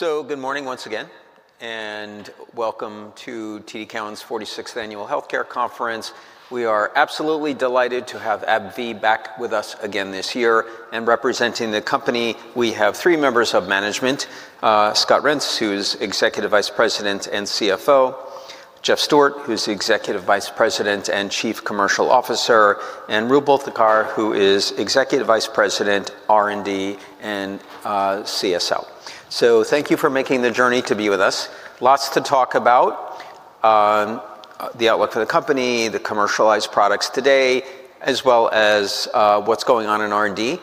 Good morning once again, and welcome to TD Cowen's 46th Annual Healthcare conference. We are absolutely delighted to have AbbVie back with us again this year. Representing the company, we have three members of management, Scott TReents, who's Executive Vice President and CFO, Jeff Stewart, who's the Executive Vice President and Chief Commercial Officer, and Roopal Thakkar, who is Executive Vice President, R&D, and CSO. Thank you for making the journey to be with us. Lots to talk about, the outlook for the company, the commercialized products today, as well as what's going on in R&D.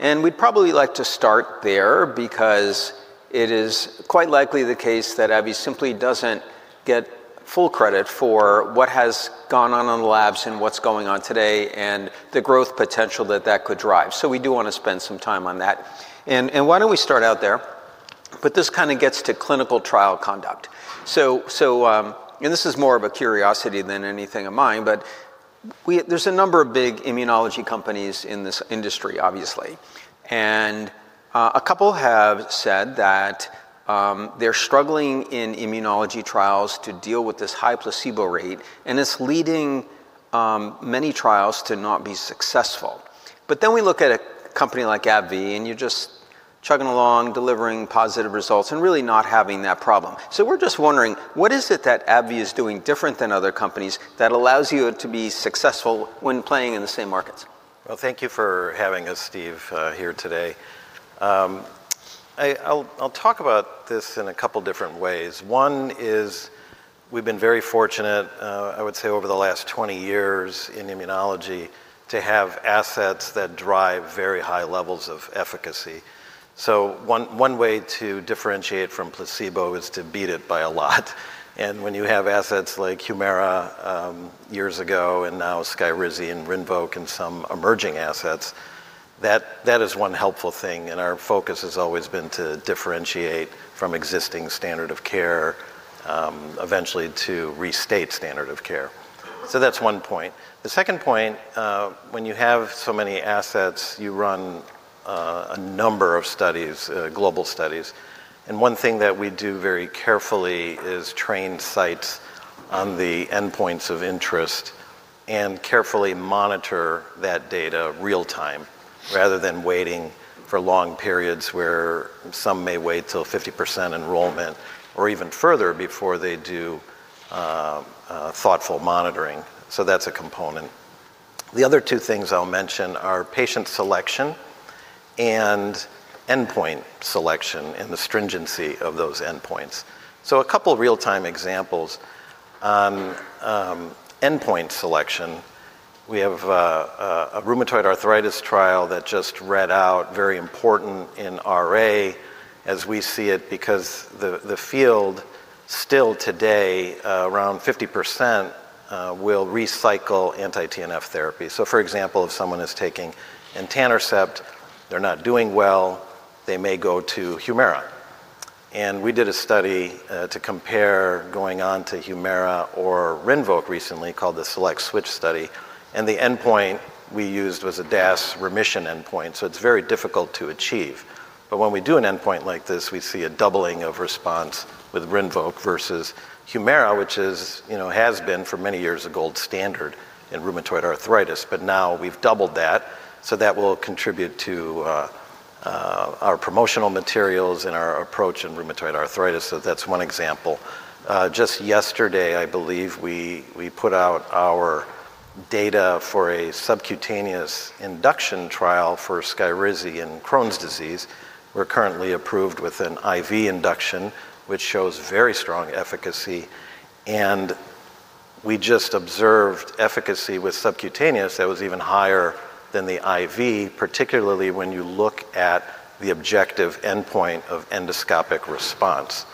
We'd probably like to start there because it is quite likely the case that AbbVie simply doesn't get full credit for what has gone on on the labs and what's going on today and the growth potential that that could drive. We do wanna spend some time on that. Why don't we start out there? This kinda gets to clinical trial conduct. This is more of a curiosity than anything of mine, but there's a number of big immunology companies in this industry, obviously. A couple have said that they're struggling in immunology trials to deal with this high placebo rate, and it's leading many trials to not be successful. We look at a company like AbbVie, and you're just chugging along, delivering positive results, and really not having that problem. We're just wondering, what is it that AbbVie is doing different than other companies that allows you to be successful when playing in the same markets? Well, thank you for having us, Steve, here today. I'll talk about this in a couple different ways. One is we've been very fortunate, I would say over the last 20 years in immunology to have assets that drive very high levels of efficacy. One way to differentiate from placebo is to beat it by a lot. When you have assets like HUMIRA, years ago and now SKYRIZI and RINVOQ and some emerging assets, that is one helpful thing, and our focus has always been to differentiate from existing standard of care, eventually to restate standard of care. That's one point. The second point, when you have so many assets, you run a number of studies, global studies, and one thing that we do very carefully is train sites on the endpoints of interest and carefully monitor that data real-time, rather than waiting for long periods where some may wait till 50% enrollment or even further before they do thoughtful monitoring. That's a component. The other two things I'll mention are patient selection and endpoint selection and the stringency of those endpoints. A couple real-time examples. Endpoint selection, we have a rheumatoid arthritis trial that just read out very important in RA as we see it because the field still today around 50% will recycle anti-TNF therapy. For example, if someone is taking etanercept, they're not doing well, they may go to HUMIRA. We did a study to compare going on to HUMIRA or RINVOQ recently called the SELECT-SWITCH study, and the endpoint we used was a DAS remission endpoint, so it's very difficult to achieve. When we do an endpoint like this, we see a doubling of response with RINVOQ versus HUMIRA, which is, you know, has been for many years a gold standard in rheumatoid arthritis. Now we've doubled that, so that will contribute to our promotional materials and our approach in rheumatoid arthritis. That's one example. Just yesterday, I believe we put out our data for a subcutaneous induction trial for SKYRIZI in Crohn's disease. We're currently approved with an IV induction, which shows very strong efficacy, and we just observed efficacy with subcutaneous that was even higher than the IV, particularly when you look at the objective endpoint of endoscopic response.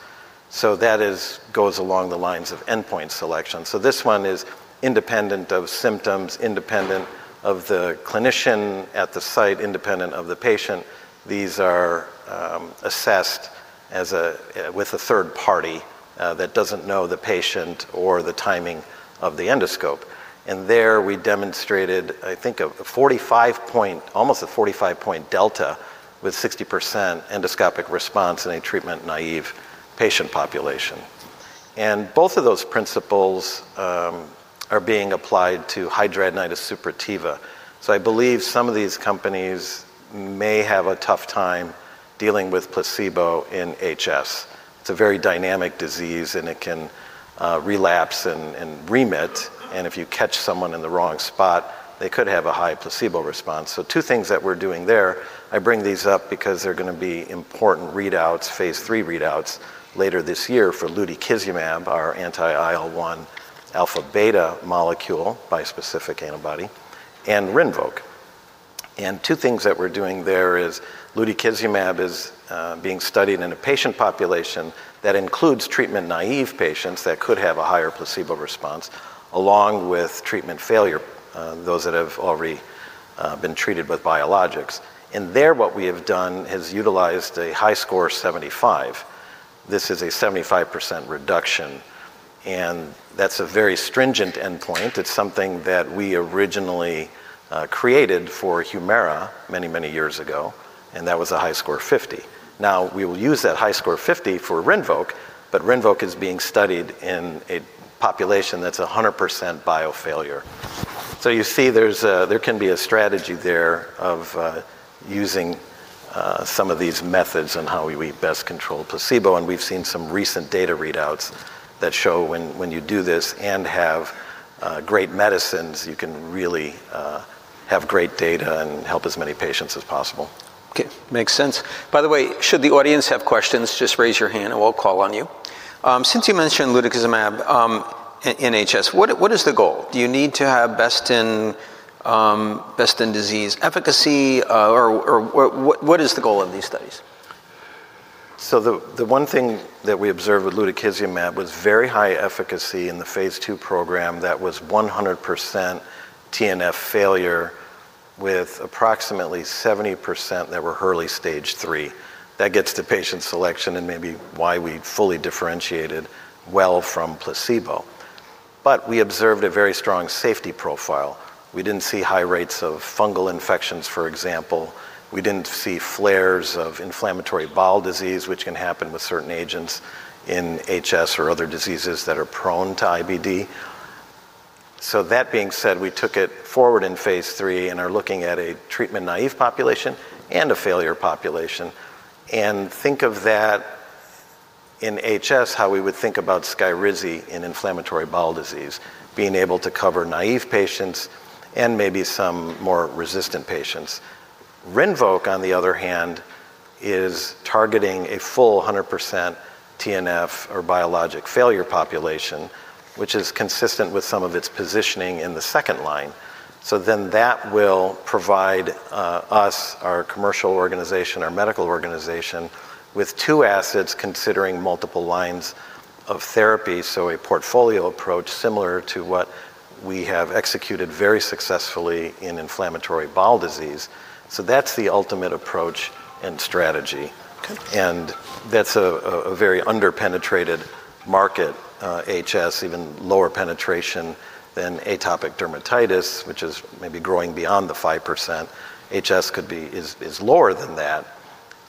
That goes along the lines of endpoint selection. This one is independent of symptoms, independent of the clinician at the site, independent of the patient. These are assessed as a with a third party that doesn't know the patient or the timing of the endoscope. There we demonstrated, I think, almost a 45-point delta with 60% endoscopic response in a treatment-naive patient population. Both of those principles are being applied to hidradenitis suppurativa. I believe some of these companies may have a tough time dealing with placebo in HS. It's a very dynamic disease, and it can relapse and remit, and if you catch someone in the wrong spot, they could have a high placebo response. Two things that we're doing there, I bring these up because they're gonna be important readouts, phase III readouts later this year for Lutikizumab, our anti-IL-1 alpha/beta molecule, bispecific antibody, and RINVOQ. Two things that we're doing there is Lutikizumab is being studied in a patient population that includes treatment-naive patients that could have a higher placebo response, along with treatment failure, those that have already been treated with biologics. There what we have done is utilized a Hi-SCR 75. This is a 75% reduction. That's a very stringent endpoint. It's something that we originally created for HUMIRA many, many years ago, and that was a Hi-SCR 50. We will use that Hi-SCR 50 for RINVOQ, but RINVOQ is being studied in a population that's 100% biofailure. You see there's a, there can be a strategy there of using some of these methods on how we best control placebo, and we've seen some recent data readouts that show when you do this and have great medicines, you can really have great data and help as many patients as possible. Okay. Makes sense. By the way, should the audience have questions, just raise your hand and we'll call on you. Since you mentioned Lutikizumab in HS, what is the goal? Do you need to have best in disease efficacy, or what is the goal of these studies? The one thing that we observed with Lutikizumab was very high efficacy in the phase II program that was 100% TNF failure with approximately 70% that were early stage three. That gets to patient selection and maybe why we fully differentiated well from placebo. We observed a very strong safety profile. We didn't see high rates of fungal infections, for example. We didn't see flares of inflammatory bowel disease, which can happen with certain agents in HS or other diseases that are prone to IBD. That being said, we took it forward in phase III and are looking at a treatment-naive population and a failure population. Think of that in HS, how we would think about SKYRIZI in inflammatory bowel disease, being able to cover naive patients and maybe some more resistant patients. RINVOQ, on the other hand, is targeting a full 100% TNF or biologic failure population, which is consistent with some of its positioning in the second line. That will provide us, our commercial organization, our medical organization with two assets considering multiple lines of therapy, so a portfolio approach similar to what we have executed very successfully in inflammatory bowel disease. That's the ultimate approach and strategy. Okay. That's a very under-penetrated market, HS, even lower penetration than atopic dermatitis, which is maybe growing beyond the 5%. HS is lower than that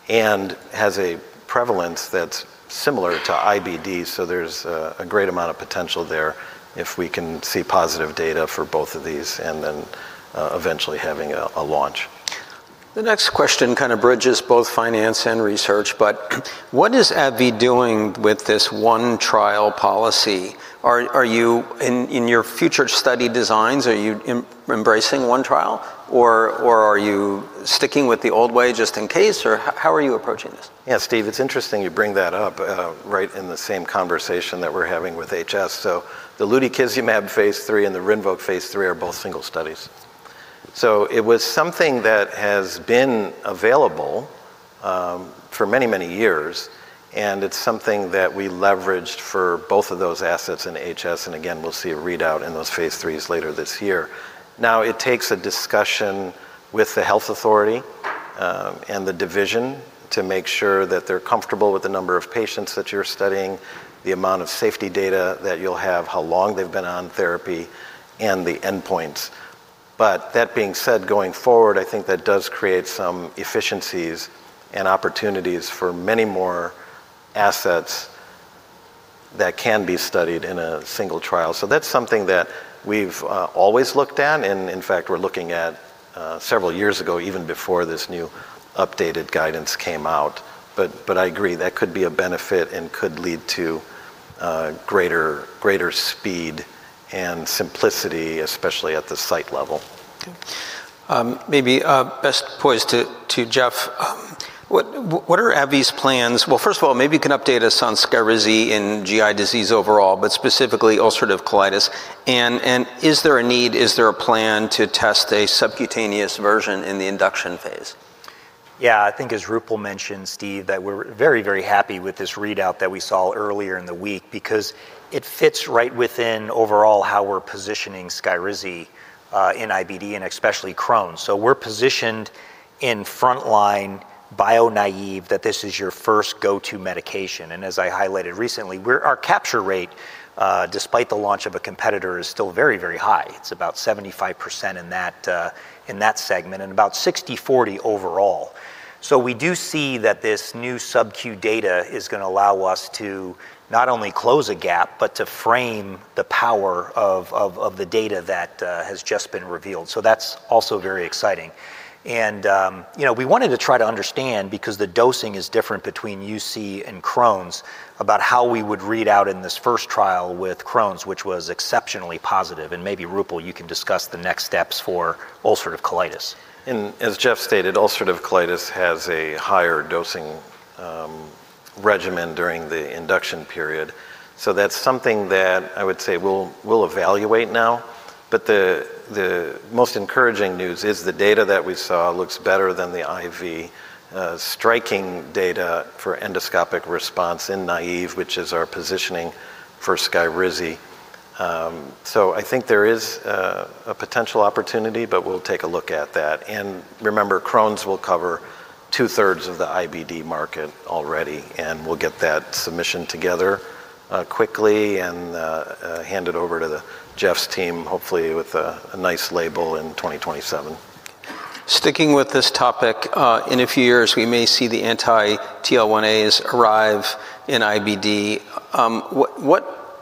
and has a prevalence that's similar to IBD, so there's a great amount of potential there if we can see positive data for both of these and then, eventually having a launch. The next question kind of bridges both finance and research. What is AbbVie doing with this one trial policy? Are you in your future study designs, are you embracing one trial or are you sticking with the old way just in case, or how are you approaching this? Steve, it's interesting you bring that up, right in the same conversation that we're having with HS. The lutikizumab phase III and the RINVOQ phase III are both single studies. It was something that has been available for many, many years, and it's something that we leveraged for both of those assets in HS. Again, we'll see a readout in those phase IIIs later this year. It takes a discussion with the health authority and the division to make sure that they're comfortable with the number of patients that you're studying, the amount of safety data that you'll have, how long they've been on therapy, and the endpoints. That being said, going forward, I think that does create some efficiencies and opportunities for many more assets that can be studied in a single trial. That's something that we've always looked at, and in fact, we're looking at several years ago, even before this new updated guidance came out. I agree, that could be a benefit and could lead to greater speed and simplicity, especially at the site level. Okay. maybe best poised to Jeff, what are AbbVie's plans? Well, first of all, maybe you can update us on SKYRIZI in GI disease overall, but specifically ulcerative colitis. Is there a need, is there a plan to test a subcutaneous version in the induction phase? I think as Roopal mentioned, Steve, that we're very, very happy with this readout that we saw earlier in the week because it fits right within overall how we're positioning SKYRIZI in IBD and especially Crohn's. We're positioned in frontline bio-naive that this is your first go-to medication. As I highlighted recently, our capture rate, despite the launch of a competitor, is still very, very high. It's about 75% in that segment and about 60/40 overall. We do see that this new subcu data is gonna allow us to not only close a gap, but to frame the power of the data that has just been revealed. That's also very exciting. You know, we wanted to try to understand, because the dosing is different between UC and Crohn's, about how we would read out in this first trial with Crohn's, which was exceptionally positive. Maybe, Roopal, you can discuss the next steps for ulcerative colitis. As Jeff stated, ulcerative colitis has a higher dosing regimen during the induction period. That's something that I would say we'll evaluate now. The most encouraging news is the data that we saw looks better than the IV striking data for endoscopic response in naive, which is our positioning for SKYRIZI. I think there is a potential opportunity, but we'll take a look at that. Remember, Crohn's will cover two-thirds of the IBD market already, and we'll get that submission together quickly and hand it over to Jeff's team, hopefully with a nice label in 2027. Sticking with this topic, in a few years, we may see the anti-TL1A arrive in IBD.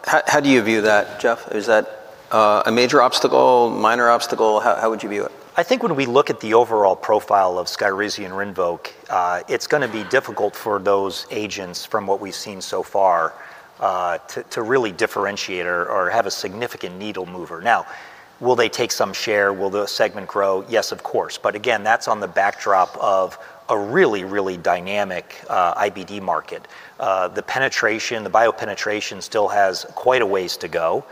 How do you view that, Jeff? Is that a major obstacle, minor obstacle? How would you view it? I think when we look at the overall profile of SKYRIZI and RINVOQ, it's gonna be difficult for those agents from what we've seen so far, to really differentiate or have a significant needle mover. Will they take some share? Will the segment grow? Yes, of course. Again, that's on the backdrop of a really, really dynamic IBD market. The penetration, the biopenetration still has quite a ways to go.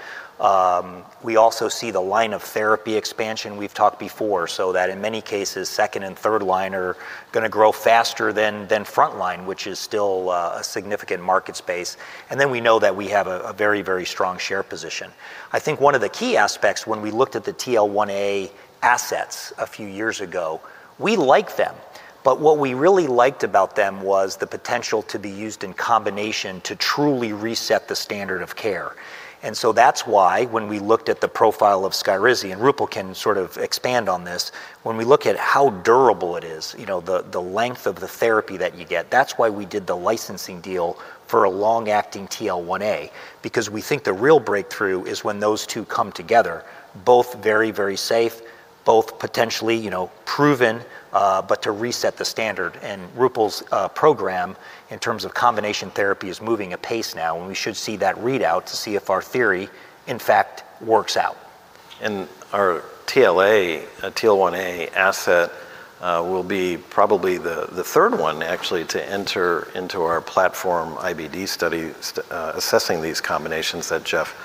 We also see the line of therapy expansion we've talked before, so that in many cases, second and third line are gonna grow faster than front line, which is still a significant market space. We know that we have a very, very strong share position. I think 1 of the key aspects when we looked at the TL1A assets a few years ago, we liked them, but what we really liked about them was the potential to be used in combination to truly reset the standard of care. That's why when we looked at the profile of SKYRIZI, and Roopal can sort of expand on this, when we look at how durable it is, you know, the length of the therapy that you get, that's why we did the licensing deal for a long-acting TL1A, because we think the real breakthrough is when those two come together, both very, very safe, both potentially, you know, proven, but to reset the standard. Roopal's program in terms of combination therapy is moving apace now, and we should see that readout to see if our theory in fact works out. Our TL1A asset will be probably the third one actually to enter into our platform IBD study assessing these combinations that Jeff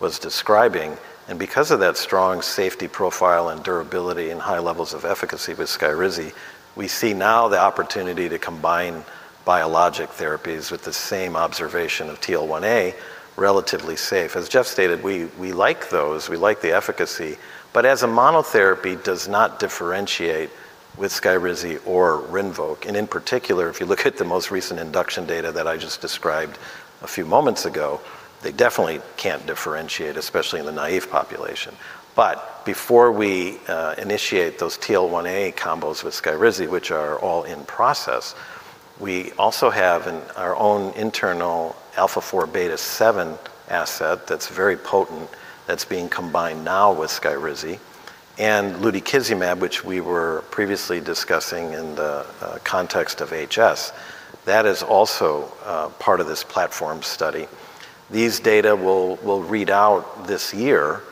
was describing. Because of that strong safety profile and durability and high levels of efficacy with SKYRIZI, we see now the opportunity to combine biologic therapies with the same observation of TL1A relatively safe. As Jeff stated, we like those, we like the efficacy, but as a monotherapy does not differentiate with SKYRIZI or RINVOQ. In particular, if you look at the most recent induction data that I just described a few moments ago, they definitely can't differentiate, especially in the naive population. Before we initiate those TL1A combos with SKYRIZI, which are all in process, we also have in our own internal alpha-4 beta-7 asset that's very potent, that's being combined now with SKYRIZI, and lutikizumab, which we were previously discussing in the context of HS. That is also part of this platform study. These data will read out this year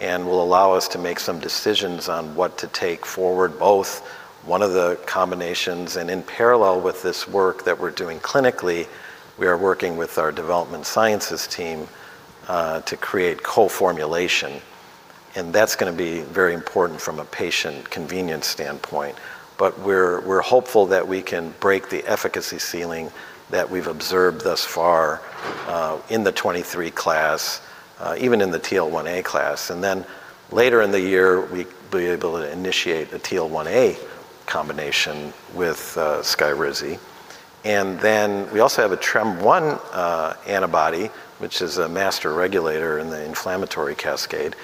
and will allow us to make some decisions on what to take forward, both one of the combinations and in parallel with this work that we're doing clinically, we are working with our development sciences team to create co-formulation. That's gonna be very important from a patient convenience standpoint. We're hopeful that we can break the efficacy ceiling that we've observed thus far in the IL-23 class, even in the TL1A class. Later in the year, we'll be able to initiate the TL1A combination with Skyrizi. We also have a TREM1 antibody, which is a master regulator in the inflammatory cascade.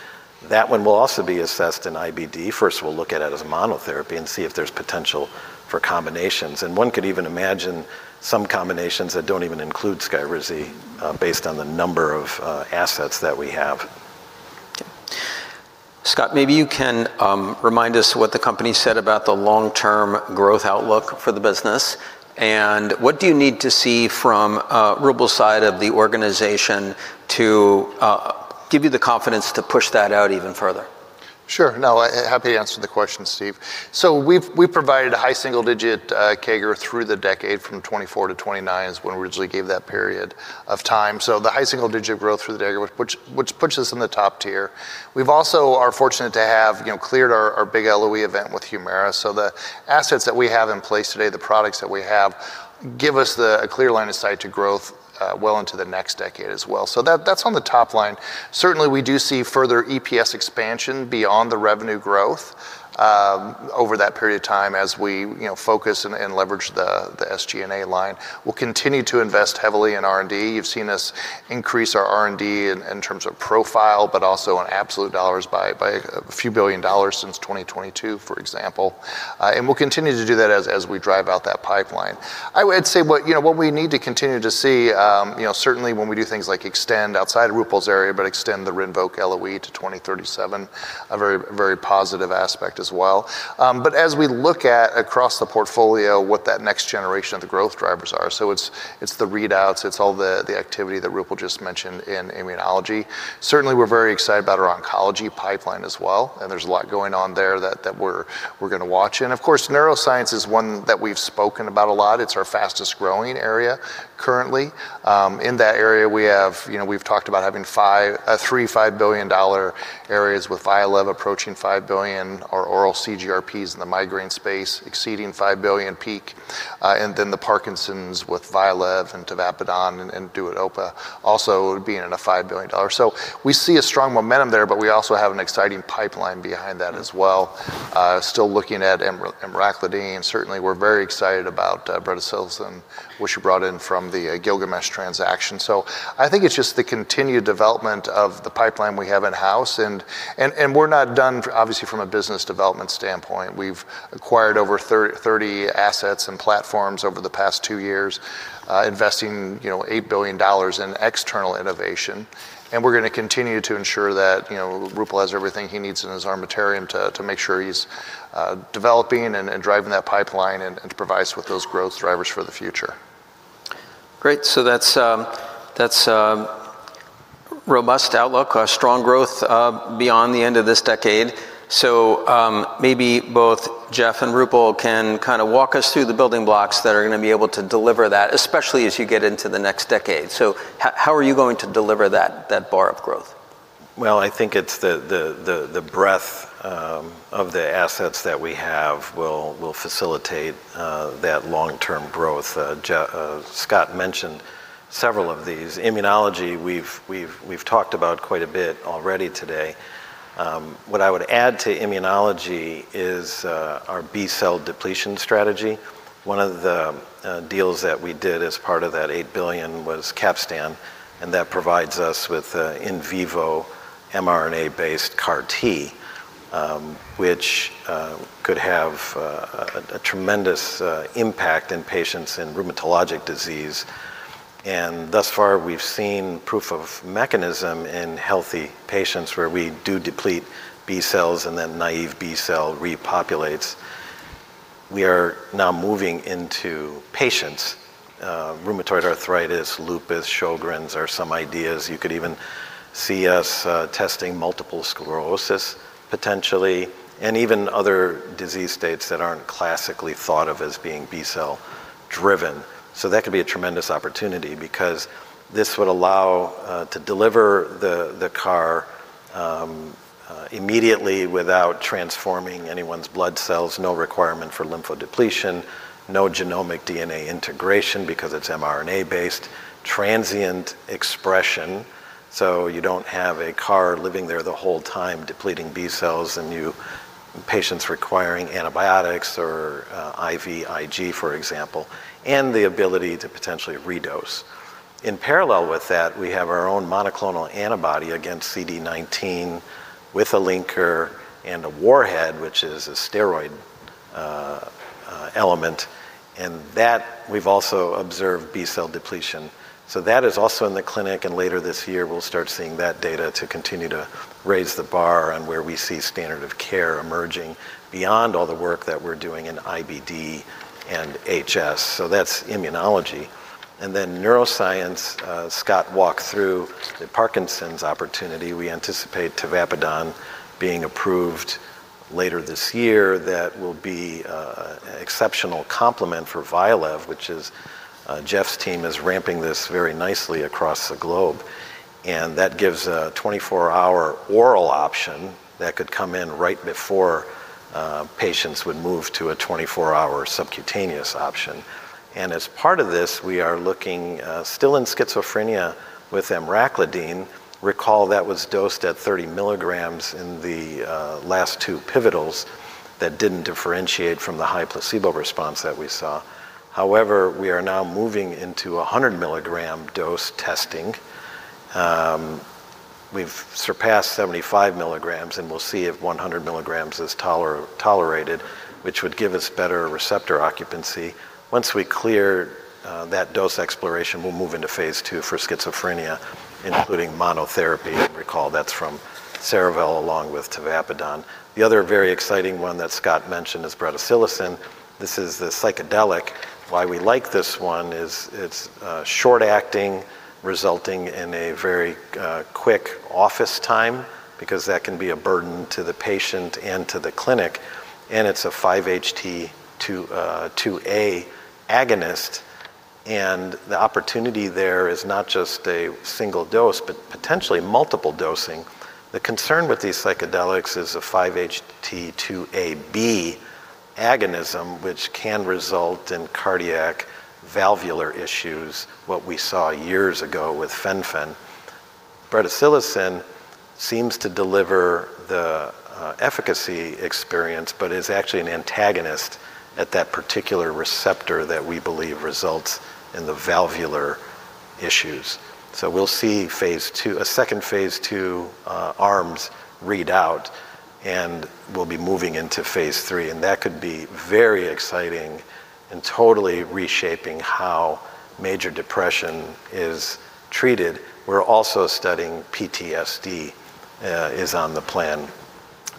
That one will also be assessed in IBD. First, we'll look at it as monotherapy and see if there's potential for combinations. One could even imagine some combinations that don't even include Skyrizi, based on the number of assets that we have. Scott, maybe you can remind us what the company said about the long-term growth outlook for the business. What do you need to see from Roopal's side of the organization to give you the confidence to push that out even further? Sure. No, happy to answer the question, Steve. We've provided a high single-digit CAGR through the decade from 2024 to 2029 is when we originally gave that period of time. The high single digit growth through the decade which puts us in the top tier. We've also are fortunate to have, you know, cleared our big LOE event with HUMIRA. The assets that we have in place today, the products that we have give us a clear line of sight to growth well into the next decade as well. That's on the top line. Certainly, we do see further EPS expansion beyond the revenue growth over that period of time as we, you know, focus and leverage the SG&A line. We'll continue to invest heavily in R&D. You've seen us increase our R&D in terms of profile, but also in absolute dollars by a few billion dollars since 2022, for example. We'll continue to do that as we drive out that pipeline. I'd say what, you know, what we need to continue to see, you know, certainly when we do things like extend outside of Roopal's area, but extend the RINVOQ LOE to 2037, a very, very positive aspect as well. As we look at across the portfolio what that next generation of the growth drivers are, so it's the readouts, it's all the activity that Roopal just mentioned in immunology. Certainly, we're very excited about our oncology pipeline as well. There's a lot going on there that we're gonna watch. Of course, neuroscience is one that we've spoken about a lot. It's our fastest-growing area currently. In that area, you know, we've talked about having three $5 billion dollar areas with VYLEV approaching $5 billion, our oral CGRPs in the migraine space exceeding $5 billion peak, and then Parkinson's with VYLEV and Tavapadone and DUODOPA also being in a $5 billion dollar. We see a strong momentum there, but we also have an exciting pipeline behind that as well. Still looking at Emraclidine. Certainly, we're very excited about Bretisilocin, which you brought in from the Gilgamesh transaction. I think it's just the continued development of the pipeline we have in-house, and we're not done obviously from a business development standpoint. We've acquired over 30 assets and platforms over the past two years, investing, you know, $8 billion in external innovation. We're gonna continue to ensure that, you know, Roopal has everything he needs in his armamentarium to make sure he's developing and driving that pipeline and provides with those growth drivers for the future. Great. That's, that's a robust outlook, a strong growth, beyond the end of this decade. Maybe both Jeff and Roopal can kind of walk us through the building blocks that are going to be able to deliver that, especially as you get into the next decade. How are you going to deliver that bar of growth? Well, I think it's the breadth of the assets that we have will facilitate that long-term growth. Scott mentioned several of these. Immunology, we've talked about quite a bit already today. What I would add to immunology is our B-cell depletion strategy. One of the deals that we did as part of that $8 billion was Capstan, and that provides us with in vivo mRNA-based CAR-T, which could have a tremendous impact in patients in rheumatologic disease. Thus far, we've seen proof of mechanism in healthy patients where we do deplete B cells and then naive B cell repopulates. We are now moving into patients, rheumatoid arthritis, lupus, Sjögren's are some ideas. You could even see us testing multiple sclerosis potentially, and even other disease states that aren't classically thought of as being B-cell driven. That could be a tremendous opportunity because this would allow to deliver the CAR immediately without transforming anyone's blood cells, no requirement for lymphodepletion, no genomic DNA integration because it's mRNA-based, transient expression, so you don't have a CAR living there the whole time depleting B cells, patients requiring antibiotics or IVIG, for example, and the ability to potentially redose. In parallel with that, we have our own monoclonal antibody against CD19 with a linker and a warhead, which is a steroid element, and that we've also observed B-cell depletion. That is also in the clinic, and later this year we'll start seeing that data to continue to raise the bar on where we see standard of care emerging beyond all the work that we're doing in IBD and HS. That's immunology. Neuroscience, Scott walked through the Parkinson's opportunity. We anticipate tavapadone being approved later this year. That will be an exceptional complement for VYLEV, which is Jeff's team is ramping this very nicely across the globe. That gives a 24-hour oral option that could come in right before patients would move to a 24-hour subcutaneous option. As part of this, we are looking still in schizophrenia with emraclidine. Recall that was dosed at 30 milligrams in the last two pivotals that didn't differentiate from the high placebo response that we saw. However, we are now moving into a 100 mg dose testing. We've surpassed 75 mg, and we'll see if 100 mgis tolerated, which would give us better receptor occupancy. Once we clear that dose exploration, we'll move into phase II for schizophrenia, including monotherapy. Recall that's from Cerevel along with tavapadone. The other very exciting one that Scott mentioned is bretisilocin. This is the psychedelic. Why we like this one is it's short-acting, resulting in a very quick office time because that can be a burden to the patient and to the clinic, and it's a 5-HT2A agonist, and the opportunity there is not just a single dose but potentially multiple dosing. The concern with these psychedelics is a 5-HT2A/2B agonism, which can result in cardiac valvular issues, what we saw years ago with fen-phen. Bretisilocin seems to deliver the efficacy experience but is actually an antagonist at that particular receptor that we believe results in the valvular issues. We'll see second phase two arms read out and we'll be moving into phase III, and that could be very exciting and totally reshaping how major depression is treated. We're also studying PTSD is on the plan.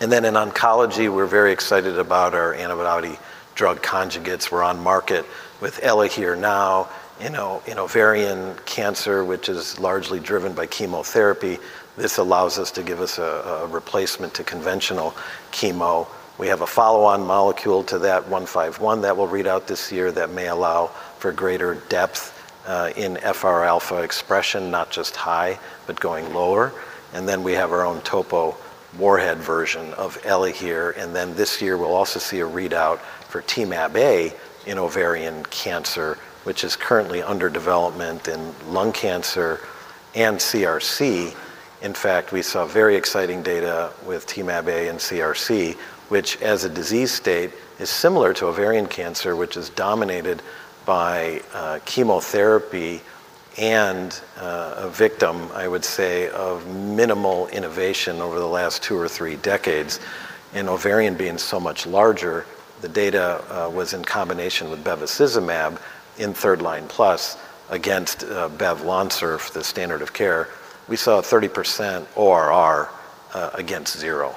In oncology, we're very excited about our antibody-drug conjugates. We're on market with ELAHERE now. In ovarian cancer, which is largely driven by chemotherapy, this allows us to give us a replacement to conventional chemo. We have a follow-on molecule to that 151 that will read out this year that may allow for greater depth in FR alpha expression, not just high, but going lower. We have our own topo warhead version of ELAHERE. This year, we'll also see a readout for Temab-A in ovarian cancer, which is currently under development in lung cancer and CRC. We saw very exciting data with Temab-A and CRC, which as a disease state is similar to ovarian cancer, which is dominated by chemotherapy and a victim, I would say, of minimal innovation over the last two or three decades. In ovarian being so much larger, the data was in combination with bevacizumab in third line plus againstbev/Lonsurf the standard of care. We saw 30% ORR against zero.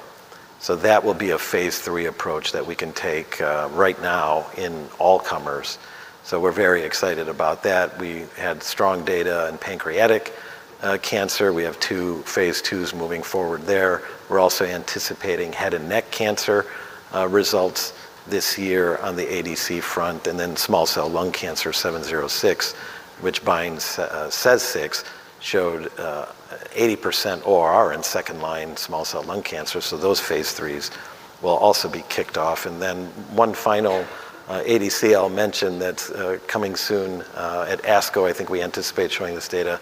That will be a phase III approach that we can take right now in all comers. We're very excited about that. We had strong data in pancreatic cancer. We have two phase IIs moving forward there. We're also anticipating head and neck cancer results this year on the ADC front. Small cell lung cancer ABBV-706, which binds CEACAM6, showed 80% ORR in second line small cell lung cancer. Those Phase IIIs will also be kicked off. One final ADC I'll mention that's coming soon at ASCO, I think we anticipate showing this data.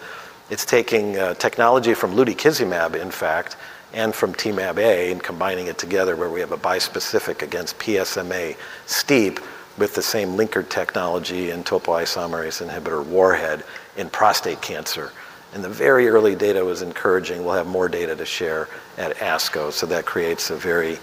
It's taking technology from lutikizumab, in fact, and from Temab-A and combining it together where we have a bispecific against PSMA STEAP1 with the same linker technology and topoisomerase inhibitor payload in prostate cancer. The very early data was encouraging. We'll have more data to share at ASCO. That creates a very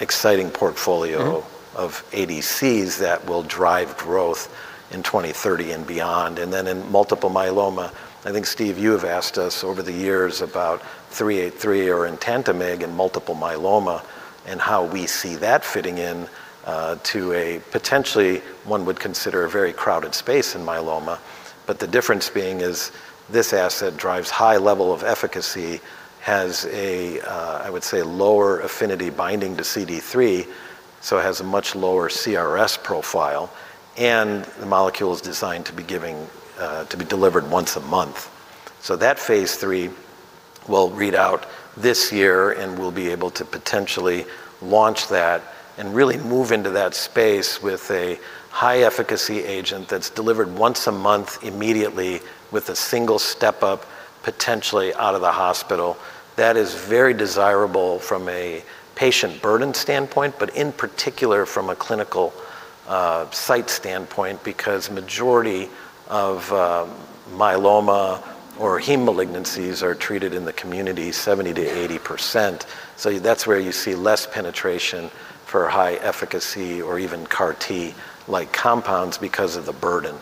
exciting portfolio- Of ADCs that will drive growth in 2030 and beyond. In multiple myeloma, I think, Steve, you have asked us over the years about ABBV-383 or TNB-383B in multiple myeloma and how we see that fitting in to a potentially one would consider a very crowded space in myeloma. The difference being is this asset drives high level of efficacy, has a, I would say, lower affinity binding to CD3, so it has a much lower CRS profile, and the molecule is designed to be delivered once a month. That phase III will read out this year, and we'll be able to potentially launch that and really move into that space with a high efficacy agent that's delivered once a month immediately with a single step up, potentially out of the hospital. That is very desirable from a patient burden standpoint, but in particular from a clinical site standpoint, because majority of myeloma or heme malignancies are treated in the community 70%-80%. That's where you see less penetration for high efficacy or even CAR T like compounds because of the burden.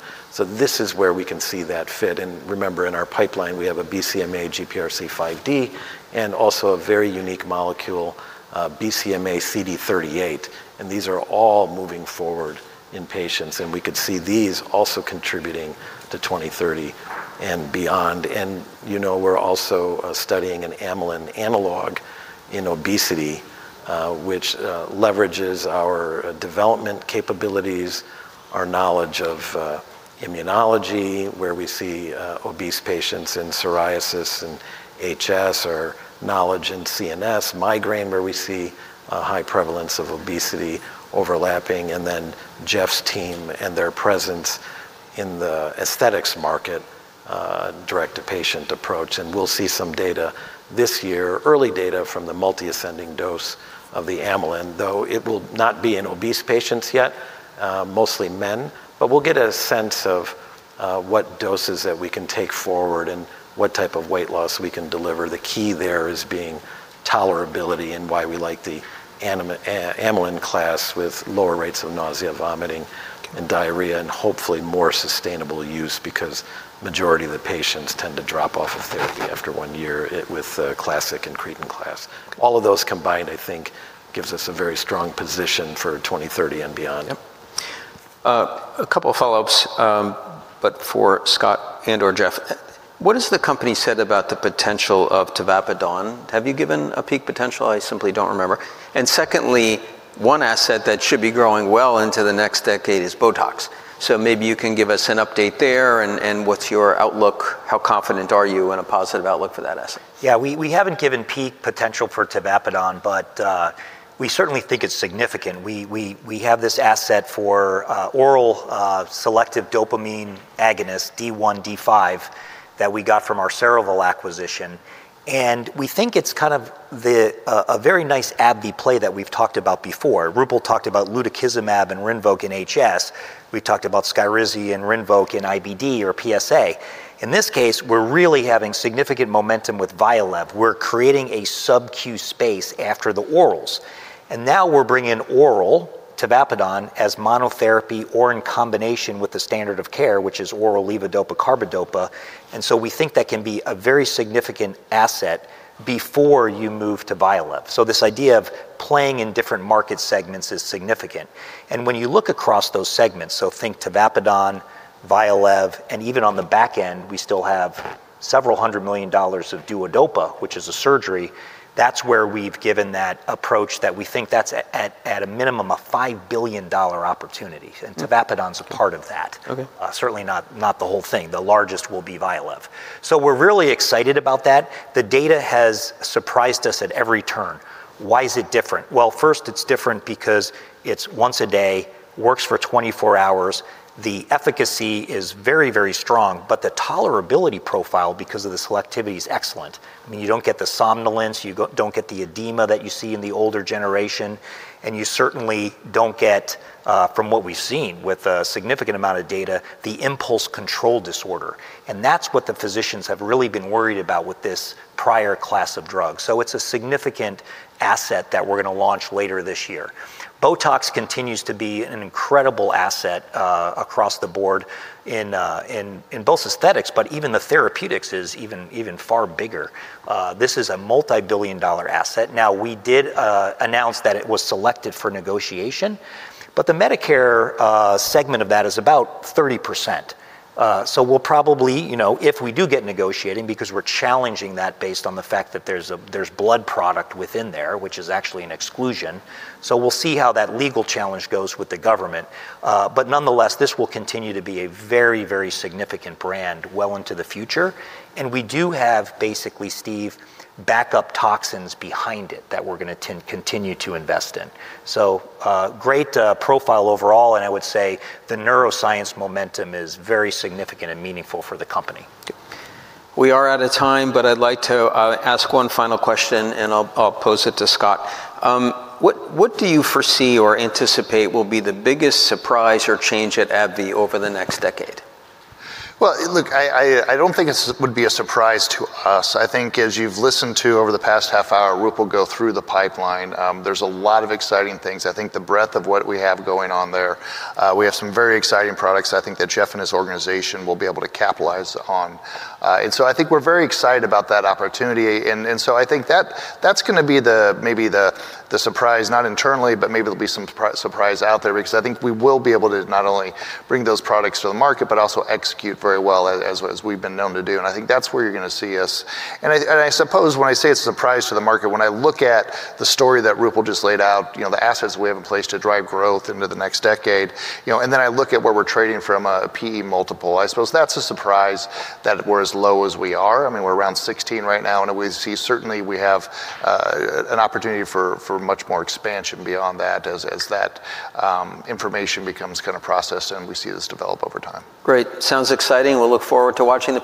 Remember, in our pipeline, we have a BCMA GPRC5D and also a very unique molecule, BCMA CD38. These are all moving forward in patients, and we could see these also contributing to 2030 and beyond. You know, we're also studying an amylin analog in obesity, which leverages our development capabilities, our knowledge of immunology, where we see obese patients in psoriasis and HS, or knowledge in CNS, migraine, where we see a high prevalence of obesity overlapping. Jeff's team and their presence in the aesthetics market, direct to patient approach. We'll see some data this year, early data from the multi-ascending dose of the amylin, though it will not be in obese patients yet, mostly men. We'll get a sense of what doses that we can take forward and what type of weight loss we can deliver. The key there is being tolerability and why we like the amylin class with lower rates of nausea, vomiting, and diarrhea, and hopefully more sustainable use because majority of the patients tend to drop off of therapy after one year with the classic incretin class. All of those combined, I think, gives us a very strong position for 2030 and beyond. Yep. A couple of follow-ups, for Scott and or Jeff. What has the company said about the potential of tavapadone? Have you given a peak potential? I simply don't remember. Secondly, one asset that should be growing well into the next decade is BOTOX. Maybe you can give us an update there and what's your outlook? How confident are you in a positive outlook for that asset? Yeah, we haven't given peak potential for tavapadone, we certainly think it's significant. We have this asset for oral selective dopamine agonist D1, D5 that we got from our Cerevel acquisition, we think it's kind of a very nice AbbVie play that we've talked about before. Roopal talked about lutikizumab and RINVOQ in HS. We've talked about SKYRIZI and RINVOQ in IBD or PSA. In this case, we're really having significant momentum with VYALEV. We're creating a sub Q space after the orals, now we're bringing oral tavapadone as monotherapy or in combination with the standard of care, which is oral levodopa carbidopa. We think that can be a very significant asset before you move to VYALEV. This idea of playing in different market segments is significant. When you look across those segments, so think tavapadone, VYALEV, and even on the back end, we still have several hundred million dollars of DUODOPA, which is a surgery, that's where we've given that approach that we think that's at a minimum, a $5 billion opportunity. Tavapadone's a part of that. Okay. Certainly not the whole thing. The largest will be VYALEV. We're really excited about that. The data has surprised us at every turn. Why is it different? Well, first, it's different because it's once a day, works for 24 hours. The efficacy is very, very strong, but the tolerability profile, because of the selectivity, is excellent. I mean, you don't get the somnolence, you don't get the edema that you see in the older generation, and you certainly don't get, from what we've seen with a significant amount of data, the impulse control disorder, and that's what the physicians have really been worried about with this prior class of drugs. It's a significant asset that we're gonna launch later this year. BOTOX continues to be an incredible asset, across the board in both aesthetics, but even the therapeutics is even far bigger. This is a multi-billion dollar asset. We did announce that it was selected for negotiation, but the Medicare segment of that is about 30%. So we'll probably, you know, if we do get negotiating, because we're challenging that based on the fact that there's blood product within there, which is actually an exclusion, so we'll see how that legal challenge goes with the government. Nonetheless, this will continue to be a very significant brand well into the future. We do have basically, Steve, backup toxins behind it that we're gonna continue to invest in. Great profile overall, and I would say the neuroscience momentum is very significant and meaningful for the company. We are out of time, I'd like to ask one final question, and I'll pose it to Scott. What do you foresee or anticipate will be the biggest surprise or change at AbbVie over the next decade? Look, I don't think it's, would be a surprise to us. I think as you've listened to over the past half hour, Rupel go through the pipeline, there's a lot of exciting things. I think the breadth of what we have going on there, we have some very exciting products I think that Jeff and his organization will be able to capitalize on. I think we're very excited about that opportunity. I think that's gonna be the, maybe the surprise, not internally, but maybe there'll be some surprise out there, because I think we will be able to not only bring those products to the market, but also execute very well as we've been known to do, and I think that's where you're gonna see us. I suppose when I say it's a surprise to the market, when I look at the story that Rupel just laid out, you know, the assets we have in place to drive growth into the next decade, you know, and then I look at where we're trading from a P/E multiple, I suppose that's a surprise that we're as low as we are. I mean, we're around 16 right now, and we see certainly we have an opportunity for much more expansion beyond that as that information becomes kinda processed and we see this develop over time. Great. Sounds exciting. We'll look forward to watching that.